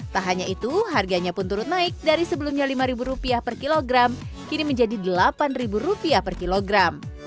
tak hanya itu harganya pun turut naik dari sebelumnya lima rupiah per kilogram kini menjadi delapan rupiah per kilogram